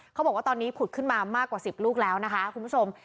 เขาบอกว่าตอนนี้ผุดขึ้นมามากกว่า๑๐ลูกแล้วนะคะคุณผู้ชม